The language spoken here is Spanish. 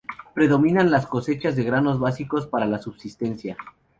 Predominan las cosechas de granos básicos para la subsistencia.